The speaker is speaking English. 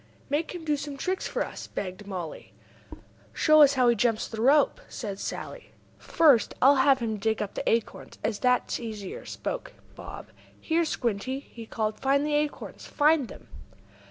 "Make him do some tricks for us," begged Mollie. "Show us how he jumps the rope," said Sallie. "First, I'll have him dig up the acorns, as that's easier," spoke Bob. "Here, Squinty!" he called. "Find the acorns! Find 'em!"